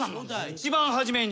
一番初めに。